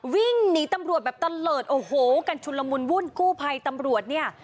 วิ่งหนีตำรวจแบบตะเลิศโอ้โหกันชุนละมุนวุ่นกู้ภัยตำรวจเนี่ย